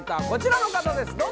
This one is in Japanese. こちらの方です